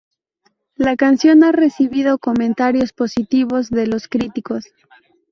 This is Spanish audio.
La canción ha recibido comentarios positivos de los críticos.